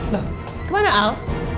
loh kemana al